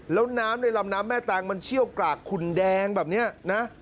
แล้วน้ำในลำน้ำแม่ตังมันเชี่ยวกรากขุนแดงแบบนี้นะ